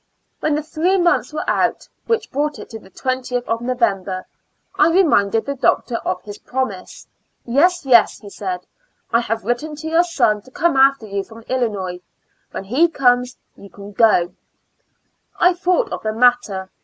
When the three months were out, which brought it to the 20th of November, I re minded the Doctor of his promise. "Yes, yes," he said, "I have written to your son to come after you from Illinois ; when he 172 ^^^^ Years and Four Months comes you can go.^^ I thought of the mat ter.